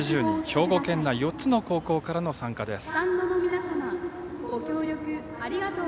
兵庫県内４つの高校からの参加です。